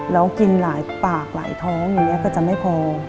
แล้วกินหลายปากหลายท้องอย่างนี้ก็จะไม่พอ